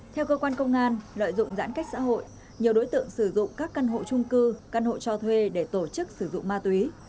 theo cơ quan công an lợi dụng giãn cách xã hội nhiều đối tượng sử dụng các căn hộ trung cư căn hộ cho thuê để tổ chức sử dụng ma túy